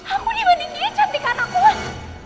aku dibandinginnya cantik karena aku man